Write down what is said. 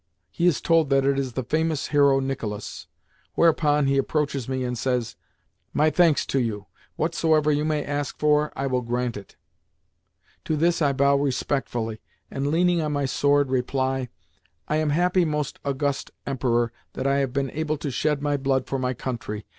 He is told that it is the famous hero Nicolas; whereupon he approaches me and says, "My thanks to you! Whatsoever you may ask for, I will grant it." To this I bow respectfully, and, leaning on my sword, reply, "I am happy, most august Emperor, that I have been able to shed my blood for my country.